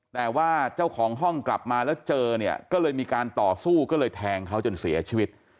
แต่ว่าเจ้าของห้องกลับมาแล้วเจอเนี่ยก็เลยมีการต่อสู้ก็เลยแทงเขาจนเสียชีวิต